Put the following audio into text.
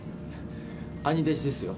兄弟子ですよ。